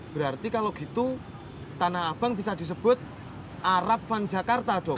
berarti kalau gitu tanah abang bisa disebut arab fun jakarta dong